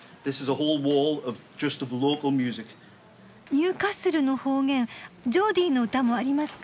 ニューカッスルの方言ジョーディーの歌もありますか？